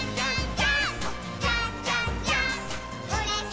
ジャンプ！！